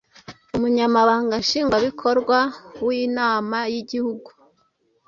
Umunyamabanga Nshingwabikorwa w’Inama y’Igihugu